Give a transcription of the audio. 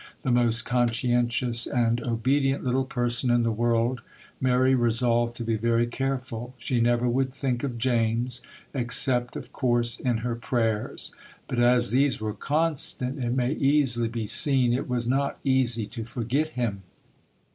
The most conscientious and obedient little person in the world, Mary resolved to be very careful. She never would think of James, except, of course, in her prayers; but as these were constant, it may easily be seen it was not easy to forget him.